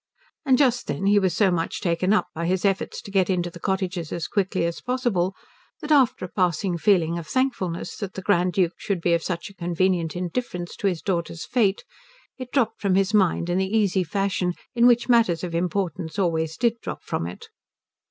And just then he was so much taken up by his efforts to get into the cottages as quickly as possible that after a passing feeling of thankfulness that the Grand Duke should be of such a convenient indifference to his daughter's fate it dropped from his mind in the easy fashion in which matters of importance always did drop from it.